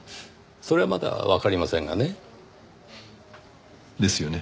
それはまだわかりませんがね。ですよね。